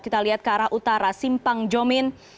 kita lihat ke arah utara simpang jomin